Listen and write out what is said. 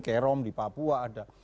kerom di papua ada